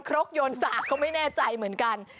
ครกยนต์ซากเขาไม่แน่ใจเหมือนกัน